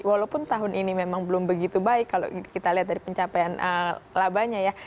walaupun tahun ini memang belum begitu baik kalau kita lihat dari pencapaian labanya ya